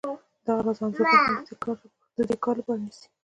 دغه راز انځورګر هم د دې کار لپاره نیسي